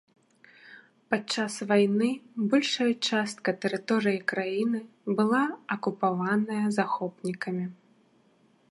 Падчас вайны большая частка тэрыторыі краіны была акупаваная захопнікамі.